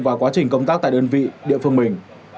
và quá trình công tác tại đơn vị địa phương mình